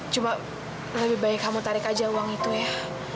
cuma lebih baik kamu tarik aja uang itu ya